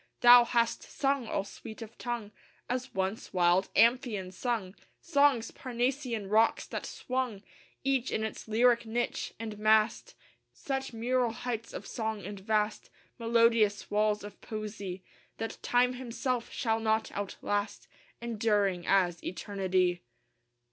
Thou hast sung, all sweet of tongue, As once wild Amphion sung, Songs, Parnassian rocks, that swung Each in its lyric niche, and massed Such mural heights of song and vast, Melodious walls of poesy, That Time himself shall not outlast, Enduring as eternity.